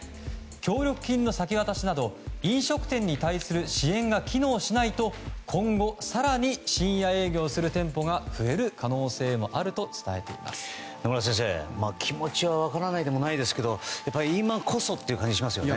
協力金の先渡しなど飲食店に対する支援が機能しないと今後、更に深夜営業する店舗が増える可能性が野村先生気持ちは分からないでもないですけど今こそという感じもしますよね。